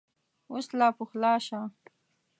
اوس لا پخلا شه !